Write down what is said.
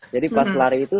jadi pas lari itu